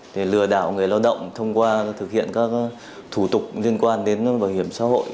để lừa đảo người lao động thông qua thực hiện các thủ tục liên quan đến bảo hiểm xã hội